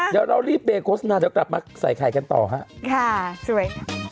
เดี๋ยวเรารีบเบรกโฆษณาเดี๋ยวกลับมาใส่ไข่กันต่อฮะค่ะสวย